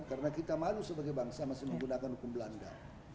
karena kita malu sebagai bangsa masih menggunakan hukum belanda